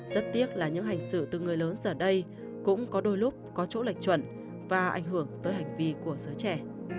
rất tiếc là những hành xử từ người lớn giờ đây cũng có đôi lúc có chỗ lệch chuẩn và ảnh hưởng tới hành vi của giới trẻ